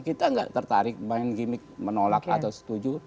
kita nggak tertarik main gimmick menolak atau setuju